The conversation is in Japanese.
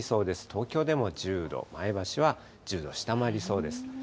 東京でも１０度、前橋は１０度、下回りそうです。